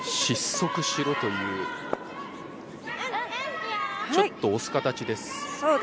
失速しろという、ちょっと押す形です。